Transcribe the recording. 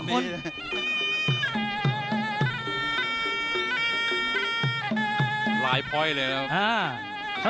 นักมวยจอมคำหวังเว่เลยนะครับ